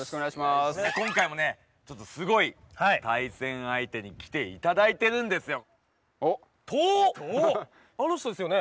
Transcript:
今回もねちょっとすごい対戦相手に来ていただいてるんですよ。